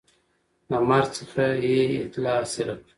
د مرګ څخه یې اطلاع حاصل کړه